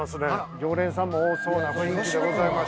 常連さんも多そうな雰囲気でございます。